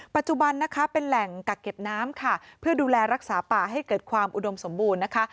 ปัจจุบันนะคะเป็นแหล่งกักเก็บน้ำค่ะเพื่อดูแลรักษาป่าให้เกิดความอุดมสมบูรณ์นะคะ